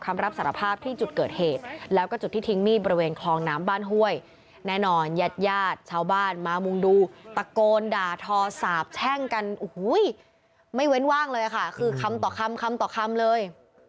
ไม่เว้นว่างเลยว่าคือคำต่อคำเลย